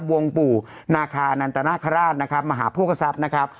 บวงปู่นาคารัตฐานัตราษนะครับมาหาพวกทรัพย์นะครับ